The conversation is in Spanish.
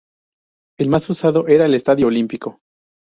El más usado era el estadio Olímpico.